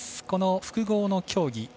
この複合の競技